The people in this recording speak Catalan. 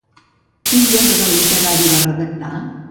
Quin gènere literari va redactar?